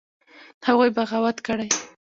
هغوى بغاوت کړى.